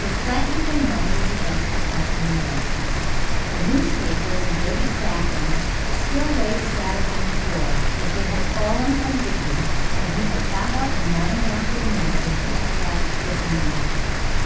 They flattened their noses against the front window. The newspapers and dirty sackings still lay scattered on the floor as they had fallen from Dickie when he had got up in the morning after the night when he had had The Dream.